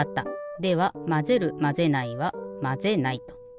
ではまぜるまぜないは「まぜない」と。